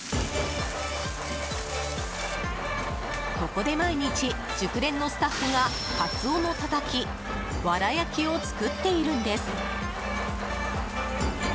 ここで毎日、熟練のスタッフがカツオのたたきわら焼きを作っているんです。